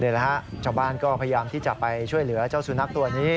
เดี๋ยวแหละครับชาวบ้านก็พยายามที่จะไปช่วยเหลือเจ้าสุนัขตัวนี้